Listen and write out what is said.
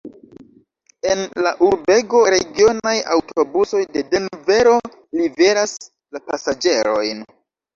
En la urbego regionaj aŭtobusoj de Denvero liveras la pasaĝerojn.